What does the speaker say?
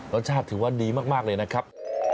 รสชาติถือว่าดีมากเลยนะครับ